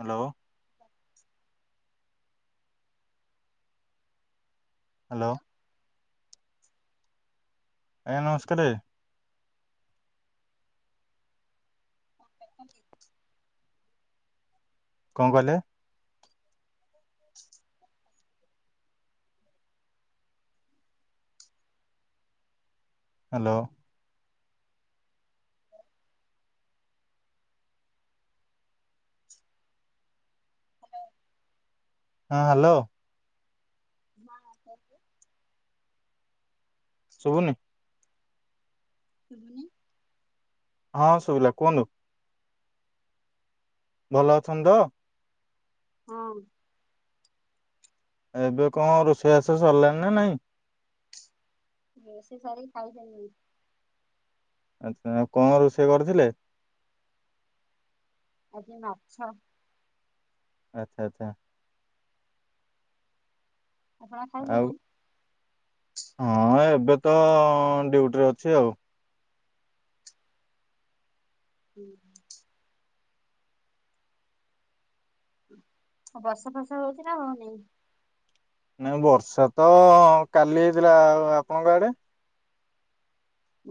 Hello. [inaudible] Hello. ଆଜ୍ଞା ନମସ୍କାର। [unintelligible] କଁ କଇଲେ? [inaudible] ହାଲୋ। ହାଲୋ। ହଁ ହାଲୋ। [unintelligible] ଶୁବୁନି? ଶୁବୁନି? ହଁ ଶୁବିଲା କୁହନ୍ତୁ? ଭଲ ଅଛନ୍ତି ତ? ହଁ। ଏବେ କଣ ରୋଷେଇବାସ ସରିଲାଣି ନା ନାଇଁ? ରୋଷେଇ ସାରକି ଖାଇସାରିଲେଣି। ଆଚ୍ଛା କଣ ରୋଷେଇ କରିଥିଲେ? ଆଜି ମାଛ ଆଚ୍ଛା ଆଚ୍ଛା। ଆପଣ ଆଉ ଖାଇଲେଣି? ହଁ ଏବେ ତ ଡ୍ୟୁଟିରେ ଅଛି ଆଉ ହୁଁ। ବର୍ଷା ଫର୍ଷା ହଉଛି ନା ହଉନି। ନାଇଁ ବର୍ଷା ତ କାଲି ହେଇଥିଲା ଆପଣଙ୍କ ଆଡେ?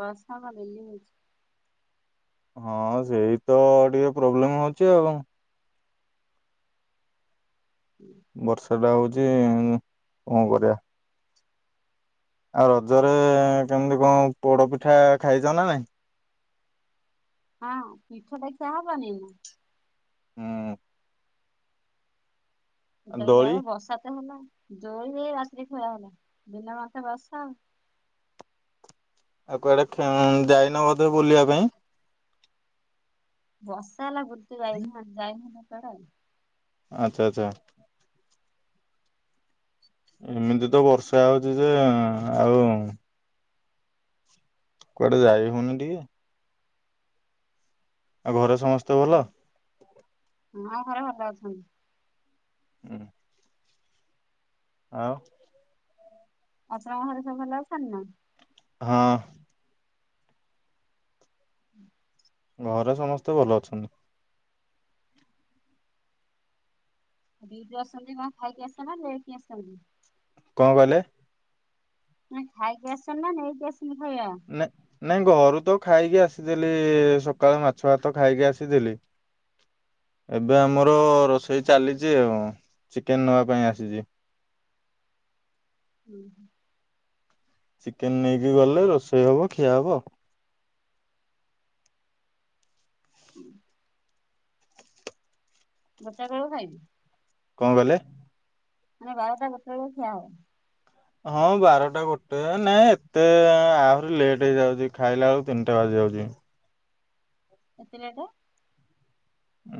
ବର୍ଷାଟା ଡେଲି ହେଉଛି। ହଁ ସେଇ ତ ଟିକେ ପ୍ରୋବ୍ଲେମ ହଉଛି ଆଉ ହୁଁ। ବର୍ଷାଟା ହଉଛି କଣ କରିବା? ଆଉ ରଜରେ କେମତି କଣ ପୋଡ ପିଠା ଖାଇଛ ନା ନାଇଁ? ହଁ ମିିଠ ପାଇଁ ଚା ହବାନି ନା। ହୁଁ। ଟାକ ଦୋଳି ଆଉ ବର୍ଷା ତ ହେଲା ଦୋରି ଦେଇ ରାତିରେ ଖୁଆ ହେଲା ଦିନ ମତେ ବର୍ଷା ଆଉ ଆଉ କୁଆଡ଼େ ଯାଇନ ବୋଧେ ବୁଲିବା ପାଇଁ? ବସା ହେଲା [inaudible] ଆଚ୍ଛା ଆଚ୍ଛା। ଏମିତି ତ ବର୍ଷା ହଉଛି ଯେ ଆଉ କୁଆଡେ ଯାଇ ହଉନି ଟିକେ? ଆଉ ଘରେ ସମସ୍ତେ ଭଲ? ହଁ ଘରେ ଭଲ ଅଛନ୍ତି। ହୁଁ। ଆଉ ଆଉ ତମ ଘରେ ସବୁ ଭଲ ଅଛନ୍ତି ନା? ହଁ। ହୁଁ [inaudible] ଘରେ ସମସ୍ତେ ଭଲ ଅଛନ୍ତି। ଦିଇଠୁ ଆସନ୍ତି କଣ ଖାଇକି ଆସ ନା ନେଇେକି ଆସନ୍ତି? କଣ କହିଲେ? ନାଇ ଖାଇକି ଆସିଛନା ନା ନେଇକି ଆସନ୍ତି ଖାଇବା? ନା ନାଇଁ ଘରୁ ତ ଖାଇକି ଆସିଥିଲି ସକାଳୁ ମାଛ ଭାତ ଖାଇକି ଆସିଥିଲି। [inaudible] ଏବେ ଆମର ରୋଷେଇ ଚାଲିଛି ଆଉ ଚିକେନ ନବା ପାଇଁ ଆସିଛି। ହୁଁ। ଚିକେନ ନେଇକି ଗଲେ ରୋଷେଇ ହବ ଖିଆ ହବ? ହୁଁ। ଗୋଟାଇ ବେଳକୁ ଖାଇବି। କଣ କଇଲେ? ମାନେ ବାରଟା ଗୋଟେ ବେଳକୁ ଖିଆ ହବ। ହଁ ବାରଟା ଗୋଟେ ନାଇଁ ଏତେ ଆହୁରି ଲେଟ୍ ହେଇଯାଉଛି ଖାଇଲା ବେଳକୁ ତିନିଟା ବାଜି ଯାଉଛି। ଏତେ ଲେଟ?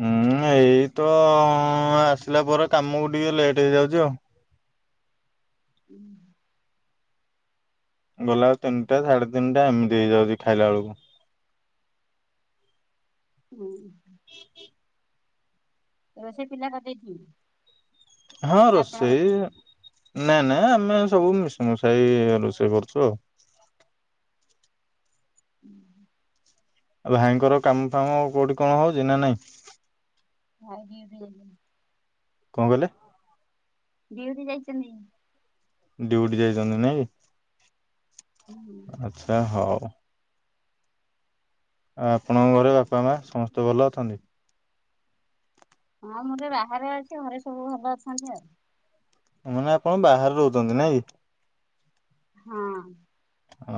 ଉୁଁ ଏଇ ତ ଆସିଲା ପରେ କାମକୁ ଟିକେ ଲେଟ୍ ହେଇଯାଉଛି ଆଉ। ଉଁ ହୁଁ। ଗଲାବେଳୁ ତିନିଟା ସାଢେ ତିନିଟା ଏମିତି ହେଇଯାଉଛି ଖାଇଲା ବେଳକୁ। ହୁଁ। ରୋଷେଇ ପିଲା କରିଦେଇଛି? ହଁ ରୋଷେଇ ନାଇ ନାଇଁ ଆମେ ସବୁ ମିସିମିଶାଇ ରୋଷେଇ କରୁଛୁ ଆଉ। ଉଁ ହୁଁଁ। ଆଉ ଭାଇଙ୍କର କାମ ଫାମ କୋଉଁଠି କଣ ହେଉଛି ନା ନାହିଁ? ଭାଇ ଡ୍ୟୁଟି ଗଲେଣି। କଣ କହିଲେ? ଡ୍ୟୁଟି ଯାଇଛନ୍ତି। ଡ୍ୟୁଟି ଯାଇଛନ୍ତି ନାଇଁ? ହୁଁ। ଛା ହଉ। ଆଉ ଆପଣଙ୍କ ଘରେ ବାପା ମା ସମସ୍ତେ ଭଲ ଅଛନ୍ତି? ହଁ ମୁଁ ଟିକେ ବାହାରେ ଅଛି ଘରେ ସବୁ ଭଲ ଅଛନ୍ତି ଆଉ। ତମେମାନେ ଆପଣ ବାହାରେ ରହୁଛନ୍ତି ନାଇଁ? ହଁ। ହଁ।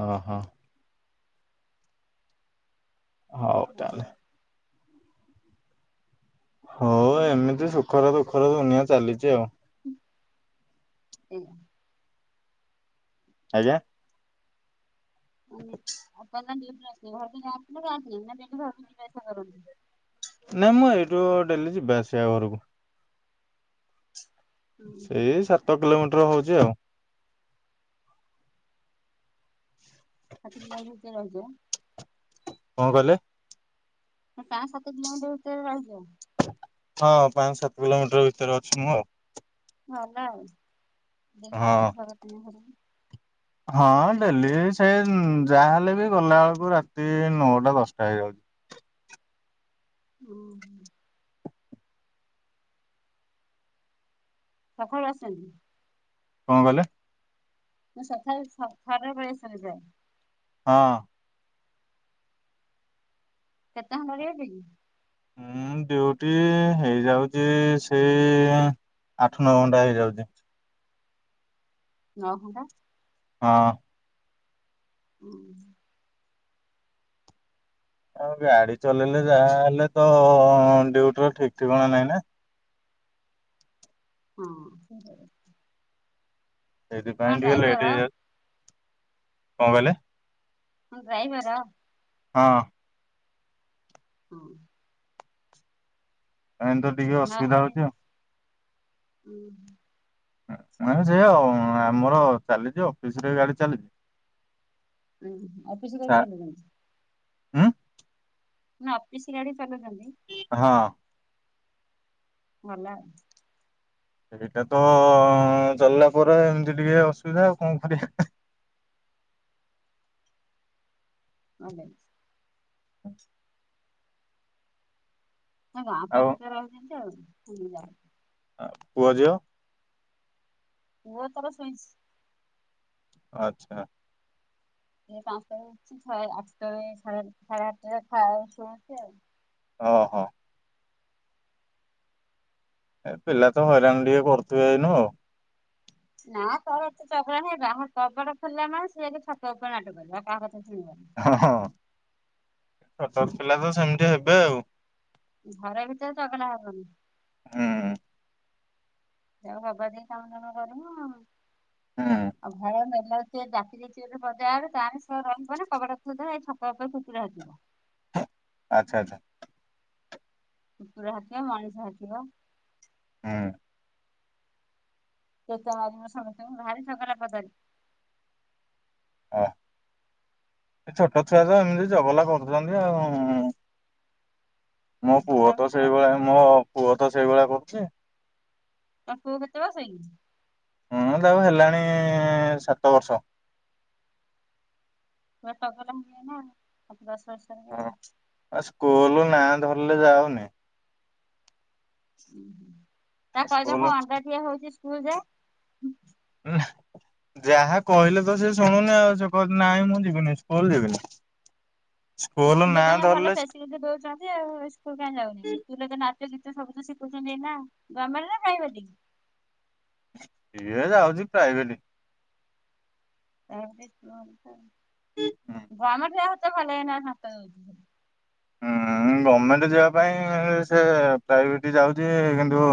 ଅହ। ହଉ ମ ତାହେଲେ। ହଁ ହଉ ଏମିତି ସୁଖର ଦୁଃଖର ଦୁନିଆ ଚାଲିଛି ଆଉ। ଏଇଆ। ଆଜ୍ଞା? ଅନିପ୍ସା ପରନାନ ଡ୍ୟୁଟି ରୁ ଆସିଲେ ଘରକୁ ଯାଆନ୍ତି ନା ଯାଆନ୍ତିନି ନା ଏମନ୍ତି ଘରକୁ ଯିବା ଆସିବା କରନ୍ତି? ନାଇଁ ମୁଁ ଏଇଠୁ ଡେଲି ଯିବା ଆସିବା ଘରକୁ। ହୁଁ। ସେ ସାତ କିଲୋମିଟର ହଉଛି ଆଉ। ସାତ କିଲୋ ମିଟର ଭିତରେ ରହିଛ ଆଁ? କଣ କହିଲେ? ପାଆଁ ସାତ କିଲୋମିଟର ଭିତରେ ରହିଛ? ହଁ ପାଞ୍ଚ ସାତ କିଲୋମିଟର ଭିତରେ ଅଛି ମୁଁ ଆଉ। ଭଲ ଆଉ ଯେମତି ହଁ ବୟସ [unintelligible] ହଁ ଡେଲି ସେ ଯାହାହେଲେ ବି ଗଲା ବେଳକୁ ରାତି ନଅଟା ଦଶଟା ହେଇଯାଉଛି। ଓ ହେ ସକାଳୁ ଆସେ ନି। କଣ କହିଲେ? ମୁଁ ସକାଳେ ସ ଖରାବେଳେ ଥରେ ଯାଏ। ହଁ। କେତେ ଖଣ୍ଡରେ ହେବେ କି। ଉଁ ଡ୍ୟୁଟି ହେଇଯାଉଛି ସେ ଆଠ ନଅ ଘଣ୍ଟା ହେଇଯାଉଛି। ନଅ ଘଣ୍ଟା ହଁ। ହୁଁ। ଆଉ ଗାଡ଼ି ଚଲେଇଲେ ଯାହା ହେଲେ ତ ଡ୍ୟୁଟିର ଠିକ୍ ଠିକଣା ନହିଁ ନା। ହୁଁ। ସେଥିପାଇଁ ଟିକେ ଡ୍ରାଇଭର ଲେଟ୍ ହେଇଯାଉଛି। କଣ କହିଲେ। ହଁ ଡ୍ରାଇଭର। ହଁ। ହଁ। ଗ୍ରାଇଁଡର। ନଅ ଘଣ୍ଟାରେ ହୁଁ। ସେ ଆଉ ଆମର ଚାଲିଛି ଅଫିସିରେ ଗାଡ଼ି ଚାଲିଛି। ଏଁ ଅଫିସ ସା ଗଲେଣି ଗାଡ଼ି ନେଇ କିନି। ଉଁ। ନା ଅଫିସ ଗାଡ଼ି ଚଲଉଛନ୍ତି। ହଁ। ମଲା। ହେଇଟା ତ ଚାଲିଲା ପରେ ଏମିତି ଟିକେ ଅସୁବିଧା ଆଉ କଣ କରିବା। ହଁ ବେ ହଁ ଗାଁ ଆଉ। ପାଖରେ ରହିଛନ୍ତି ଆଉ ସ୍କୁଲୁକୁ ଯାଉଚନ୍ତି। ପୁଅ ଝିଅ। ପୁଅ ତାର ଶୋଇଛି। ଆଚ୍ଛା। ପାଞ୍ଚଟାରେ ଉଠୁଛି ସେ ଆଠଟାରେ ସାଢ଼େ ଆଠଟାରେ ଖାଉଛି ଶୋଇଛି ଆଉ। ହଁ ହଁ। ଏ ପିଲା ତ ହଇରାଣ ଟିକେ କରୁଥିବେ ଏଇନୁ ଆଉ। ନା ତଳ ଏତେ ଚଗଲା ନାହି ଯାହା କବାଟ ଖୋଲିଲା ମାନେ ସେ ଛାତ ଉପରେ ନାଟ କରିବ ଆଉ କାହା କଥା ଶୁଣିବନି। ହଁ ହଁ ଛୋଟର ପିଲା ତ ସେମିତି ହେବେ ଆଉ। ଘର ଭିତରେ ଚଗଲା ହେବନି। ହୁଁ। ଯଉ ହବା ଦ କାମ ଦାମ କରିବୁଉଁ ହୁଁ ଆଉ ଭୟ ନେଲା। ସିଏ ଡାକି ଦେଇଚି ଯେ [unintelligible] ଆଚ୍ଛା ଆଚ୍ଛା। କୁକୁର ହାକିବ ମଣିଷ ହାକିବ। ହୁଁ। ସେ ଚାରି ବର୍ଷ ଭିତରେ ଭାରି ଚଗଲା କବାରି। ଆ ଏ ଛୋଟ ଛୁଆ ତ ଏମିତି ଜଗଲା କରୁଛନ୍ତି ଆଉ। ମୋ ପୁଅ ଘର ତ ଭିତରେ ସେଇଭଳିଆ ଝଗଡା ମୋ ପୁଅ ତ ସେଇଭଳିଆ କରୁଛି। ତମ ପୁଅ କୁ କେତେ ବର୍ଷ ହେଇଛି। ହଁ ତାକୁ ହେଲାଣି ସାତ ବର୍ଷ। ପୁରା ତଗଲା ହେଇକି ନା ଦଶ ବର୍ଷରେ ଆଉ [unintelligible] ଆ ସ୍କୁଲୁ ନାଁ ଧରିଲେ ଯାଉନି। ତା କହିବେ ସ୍କୁଲ କଣ ଅଣ୍ତା ଦିଆ ହୋଇଛି ସ୍କୁଲ ଯା। ଅଁ ହେ। ଯାହା କହିଲେ ତ ସେ ଶୁଣୁନି ଆଉ ସେ କ ନାଇଁ ମୁଁ ଯିବିନି ସ୍କୁଲ ଯିବିନି। ସ୍କୁଲ ସ୍କୁଲରେ ନାଁ ତାଙ୍କେ ଭଲ ଧରିଲେ ସିଏ ଫ୍ୟାସିଲିଟି ଦଉଛ ଆଉ ସ୍କୁଲ କାଁ ଯାଉନି ସ୍କୁଲରେ ତ ନାଚ ଗୀତ ସବୁ ତ ଶିଖୁଛନ୍ତି ନା ଗମରେ ନା ପ୍ରାଇ ଭେଟି? ଇଏ ଯା ହଉଛି ପ୍ରାଇଭେଟ। ହୁଁ। ଘମ ସେ ହାତ ଭଲ ନାତ ହଁ ଗଭର୍ଣ୍ଣମେଣ୍ଟ ଯିବା ପାଇଁ ସେ ପ୍ରାଇଭେଟ ଯାଉଛି କିନ୍ତୁ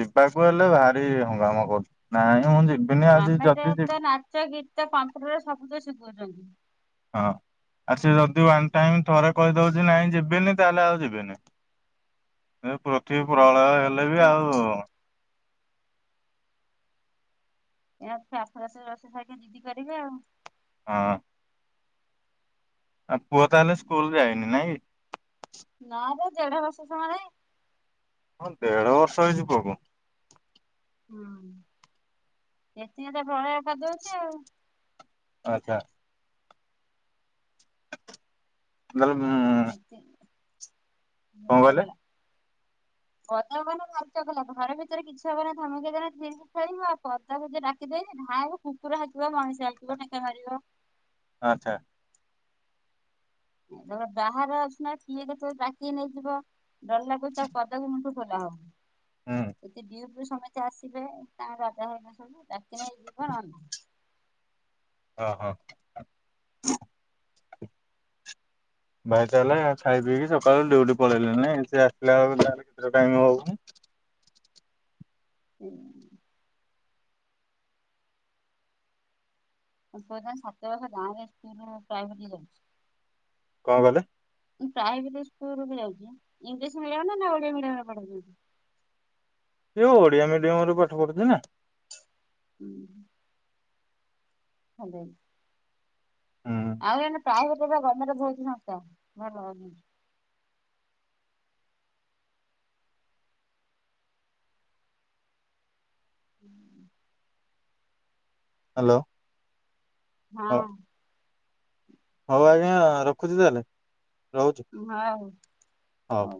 ଯିବାକୁ ହେଲେ ଭାରି ହଙ୍ଗାମା କରୁଛି ନାଇଁ ମୁଁ ଯିବି ଆଜି ଗମେଣ୍ଟେ ଯଦି ତ ନାଚ ଗୀତ କମ୍ପୁଟରେ ସବୁ ତ ଶିଖଉଛନ୍ତି। ହଁ ଆଉ ସେ ଯଦି ୱାନ୍ ଟାଇମ ଥରେ କହିଦଉଛି ନାଇଁ ଯିବେନି ତାହେଲେ ଆଉ ଯିବେନି। ଏ ପୃଥିବୀ ପ୍ରଳୟ ସେଇଆ ହେଲେ ବି ଯିବି ଆଉ ଏ ଆସ ରାସ ରୋଷେଇ ଖାଇ ଯିଦି କରିବେ ଆଉ ହଁ। ଆଉ ପୁଅ ତାହେଲେ ସ୍କୁଲ ଯାଇନି ନାଇଁ? ନା ବା ଦେଢ ବର୍ଷ ସମୟ ନହିଁ। ହଁ ଦେଢ ବର୍ଷ ହେଇଛିି ପୁଅକୁ। ହୁଁ, ସେଥି ତ ପଳୟ କରି ଦଉଛି ଆଉ ଆଚ୍ଛା। ତାଲେ ଉଁ ଏତି କଣ କହିଲେ ଚଗଲା କଦ ହବଚ କ ଘର ଭିତରେ କିଛି ହବନ ଧମକ [inaudible] ତା ଡାିଦେ ଘା କୁକୁର ହାଥିବ ମଣିଷ ହଉଥିବ ଟେକା ମାରିବ। ଆଚ୍ଛା। ଏ ତ ବାହରେ ଅଛି ନା କିଏ କେତେବେଳେ ଦାକି ନେଇଯିବ। ଡର ଲାଗୁଛି ଆଉ କଦ ବି ମୁଠୁ ଖୋଲା ହଉନି। ହଁ। ଯତି ଡିଉଟିରୁ ସମସ୍ତେ ଆସିବେ ତାଙ୍କ ରାଜା ହେଇବା ସବୁ ରାତିରେ ହେଇ ଯିବ ରଧ ଓ ହଁ। ଭାଇ ତାହେଲେ ଖାଇ ପିଇକି ସକାଳୁ ଡୁଟି ପଳେଇଲେଣି, ସେ ଆସିଲାହେଲେ କେତେ ଟାଇମ ହବନ ହୁଁ ମୁଁ ପ ସାତ ବଷ ଗାଁରେ ସ୍କୁଲୁ ପ୍ରାଇଭେଟ ଯାଉଛି। କଣ କଲେ ମୁଁ ପ୍ରାଇଭେଟ ସ୍କୁଲ ଯାଉଛି, ଇଂଲିଶ ମିଡିମ ନା ଓଡିଆ ମିଡିମ ରେ ପଢ଼ଉଛନ୍ତି। ସେଏଉ ଓଡିଆ ମିଡିୟମ ରେ ପାଠ ପଢୁଛି ନା। ହୁଁ। [unintelligible] ହୁଁ ଆଉ ଏଇନା ପ୍ରାଇଭେଟ ଗମେଟ ବହୁଛି ସଂସ୍ଥା ଭଲ ହଉ ହୁଁ। ହ୍ୟାଲୋ, ହଉ ହଁ। ହଉ ଆଜ୍ଞା, ରଖୁଛି ତାହେଲେ। ରହୁଛି ରୁହ ଆଉ ହଉ।